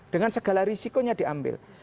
dengan segala risikonya diambil